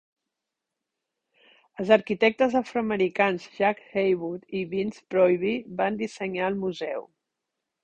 Els arquitectes afroamericans Jack Haywood i Vince Proby van dissenyar el museu.